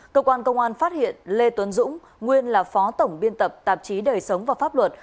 cơ quan công an phát hiện lê tuấn dũng nguyên là phó tổng biên tập tạp chí đời sống và pháp luật